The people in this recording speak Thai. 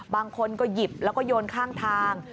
บางคนก็หยิบแล้วก็โยนข้างทาง